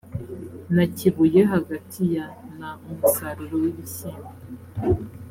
na kibuye hagati ya na umusaruro w ibishyimbo